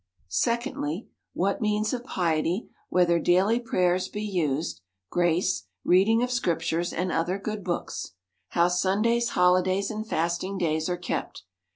Secondly, what means of piety, whether daily prayers be used, grace, reading of scrip tures, and other good books ; how Sundays, holidays, and fasting days are kept.